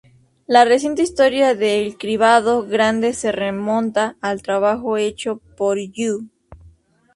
La reciente historia de el cribado grande se remonta al trabajo hecho por Yu.